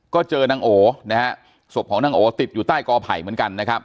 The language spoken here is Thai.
ก็เจอนางโอนะฮะศพของนางโอติดอยู่ใต้กอไผ่เหมือนกันนะครับ